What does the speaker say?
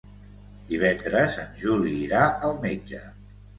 Divendres en Juli irà al metge.